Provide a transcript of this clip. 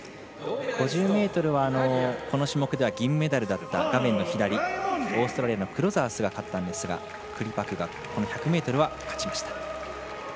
５０ｍはこの種目では銀メダルだったオーストラリアのクロザースが勝ったんですがクリパクがこの１００ｍは勝ちました。